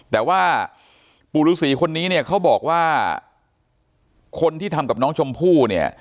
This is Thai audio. แต่ว่าปูรุศีคนนี้เขาบอกว่าคนที่ทำกับน้องชมพู่